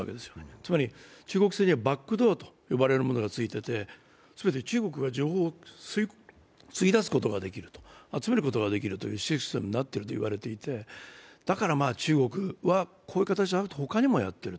つまり中国製にはバックドアというものがついていて中国が情報を吸い出すことができる、集めることができるシステムとなっているといわれていてだから中国はこういう形でほかにもやっていると。